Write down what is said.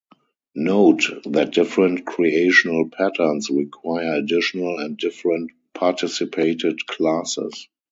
Note that different creational patterns require additional and different participated classes.